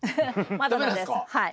まだなんですはい。